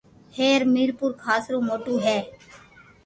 ھير مير پور خاص رو موٽو ھي